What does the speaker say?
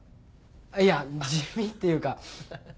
いや地味っていうか。